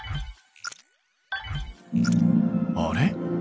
あれ？